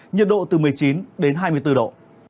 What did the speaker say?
nhiệt độ từ một mươi chín đến hai mươi bốn độ